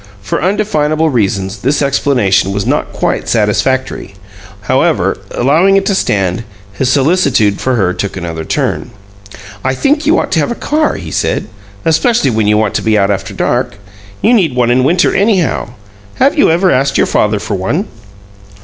For undefinable reasons this explanation was not quite satisfactory; however, allowing it to stand, his solicitude for her took another turn. "I think you ought to have a car," he said, "especially when you want to be out after dark. You need one in winter, anyhow. Have you ever asked your father for one?"